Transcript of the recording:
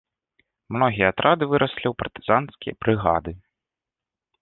Многія атрады выраслі ў партызанскія брыгады.